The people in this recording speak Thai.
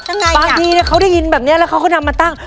บางทีเนี่ยเขาได้ยินแบบนี้แล้วเขาก็นำมาตั้ง